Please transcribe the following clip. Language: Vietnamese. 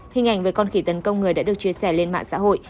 hình ảnh về con khỉ tấn công người đã được chia sẻ lên mạng xã hội